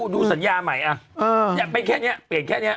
ดูสัญญาใหม่เป็นแค่นี้เปลี่ยนแค่นี้